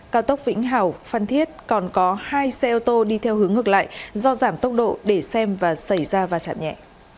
cao tốc vĩnh hảo phan thiết còn có hai xe ô tô đi theo hướng ngược lại do giảm tốc độ để xem và xảy ra va chạm nhẹ